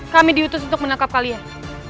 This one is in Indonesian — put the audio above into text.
kami diutus untuk menangkap kalian